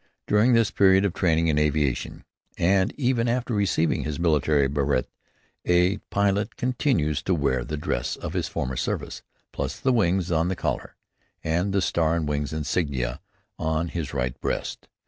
During his period of training in aviation, and even after receiving his military brevet, a pilot continues to wear the dress of his former service, plus the wings on the collar, and the star and wings insignia on his right breast.